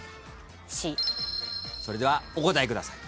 それではお答えください。